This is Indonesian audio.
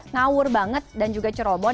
ngawur banget dan juga cerobon